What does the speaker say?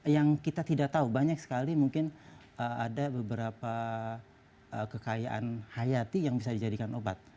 yang kita tidak tahu banyak sekali mungkin ada beberapa kekayaan hayati yang bisa dijadikan obat